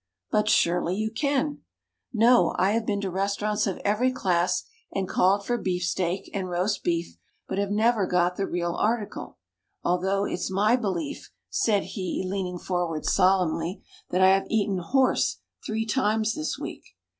"But surely you can." "No; I have been to restaurants of every class, and called for beefsteak and roast beef, but have never got the real article, although it's my belief," said he, leaning forward solemnly, "that I have eaten horse three times this week."